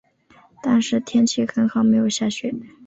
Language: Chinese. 但是天气很好没有下雪